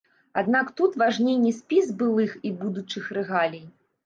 Аднак тут важней не спіс былых і будучых рэгалій.